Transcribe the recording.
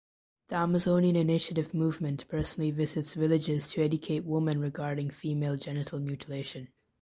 The Amazonian Initiative Movement personally visits villages to educate women regarding female genital mutilation.